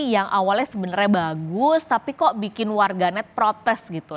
yang awalnya sebenarnya bagus tapi kok bikin warga net protes gitu